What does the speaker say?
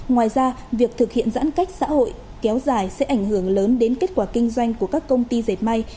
ngoài ra việc thực hiện giãn cách xã hội kéo dài sẽ ảnh hưởng lớn đến kết quả kinh doanh của các công ty dệt may